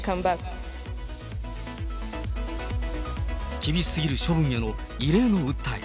厳しすぎる処分への異例の訴え。